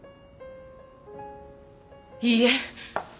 いいえ！